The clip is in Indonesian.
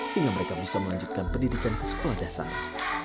sehingga mereka bisa melanjutkan pendidikan ke sekolah dah sana